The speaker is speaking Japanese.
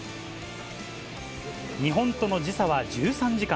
日本との時差は１３時間。